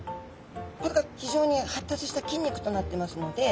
これが非常に発達した筋肉となってますので